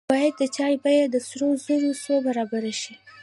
باید د چای بیه د سرو زرو څو برابره شي.